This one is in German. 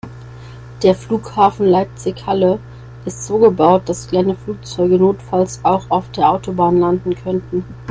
Der Flughafen Leipzig/Halle ist so gebaut, dass kleine Flugzeuge notfalls auch auf der Autobahn landen könnten.